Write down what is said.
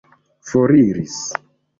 foriris